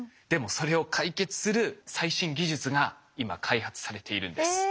でもそれを解決する最新技術が今開発されているんです。